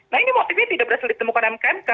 nah ini motifnya tidak berhasil ditemukan mkmk